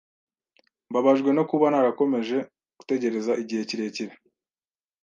Mbabajwe no kuba narakomeje gutegereza igihe kirekire.